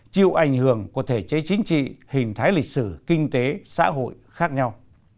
chịu ảnh hưởng của thể chế chính trị hình thái lịch sử kinh tế xã hội khác nhau